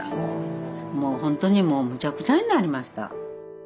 もうほんとにもうむちゃくちゃになりました。